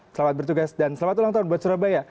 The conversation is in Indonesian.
selamat bertugas dan selamat ulang tahun buat surabaya